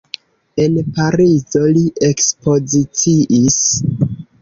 En Parizo li ekspoziciis.